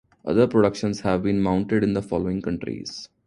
Other productions have been mounted in the following countries.